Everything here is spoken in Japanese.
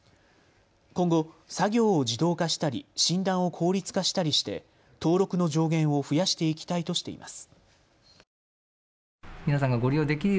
今後、作業を自動化したり診断を効率化したりして登録の上限を増やしていきたいとしています。